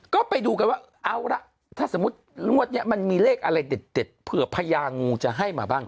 ก็ไปดูกันว่าเอาละถ้าสมมุติงวดนี้มันมีเลขอะไรเด็ดเผื่อพญางูจะให้มาบ้าง